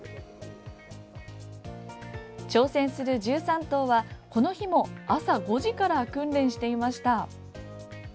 挑戦する１３頭は、この日も朝５時から訓練していました。